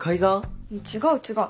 違う違う。